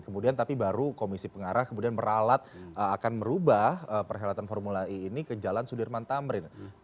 kemudian tapi baru komisi pengarah kemudian meralat akan merubah perhelatan formula e ini ke jalan sudirman tamrin